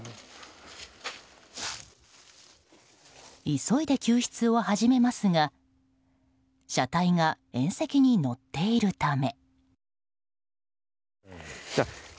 急いで救出を始めますが車体が縁石に乗っているため。